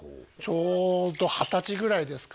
ちょうど二十歳ぐらいですかね